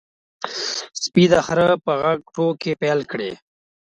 سپي د خره په غږ ټوکې پیل کړې.